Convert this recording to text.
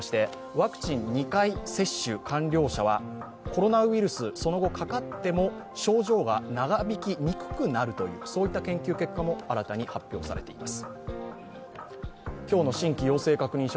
ワクチン２回接種完了者はコロナウイルスにその後かかっても症状が長引きにくくなるという研究結果も新たに発表されています。